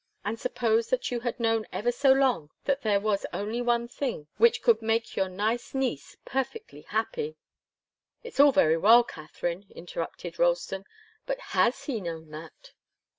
And suppose that you had known ever so long that there was only one thing which could make your nice niece perfectly happy " "It's all very well, Katharine," interrupted Ralston, "but has he known that?"